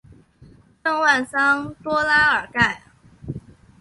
圣万桑多拉尔盖。